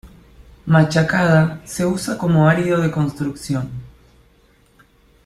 Machacada se usa como árido de construcción.